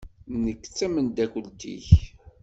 Nekk d tameddakelt-ik.